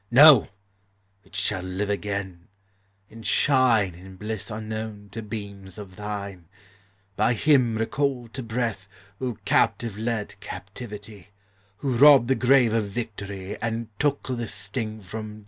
No ! it shall live again, and shine In bliss unknown to beams of thine, By Him recalled to breath, Who captive led captivity, Who robbed the grave of victory, And took the sting from death!